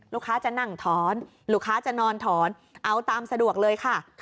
ลูกค้าจะนั่งถอนลูกค้าจะนอนถอนเอาตามสะดวกเลยค่ะ